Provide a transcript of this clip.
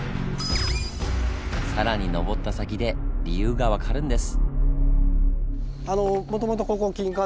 更に登った先で理由が分かるんです。